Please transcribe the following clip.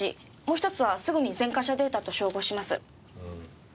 もう１つはすぐに前科者データと照合します。